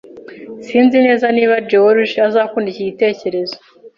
Sinzi neza niba George azakunda iki gitekerezo.